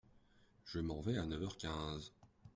Je m’en vais à neuf heures quinze.